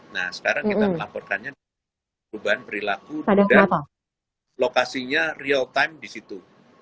nah sekarang kita melaporkannya perubahan perilaku dan lokasinya real time di situ